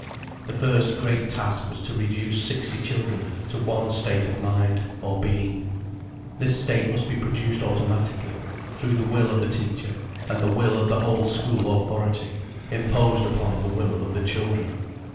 The first great task was to reduce sixty children to one state of mind, or being. This state must be produced automatically, through the will of the teacher, and the will of the whole school authority, imposed upon the will of the children.